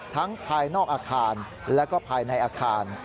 ภายนอกอาคารและก็ภายในอาคาร